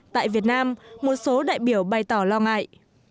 tại việt nam một số đại biểu bày tỏ lo ngại